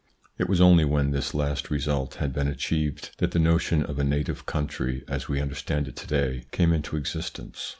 It was only when this last result had been achieved, that the notion of a native country, as we understand it to day, came into exist ence.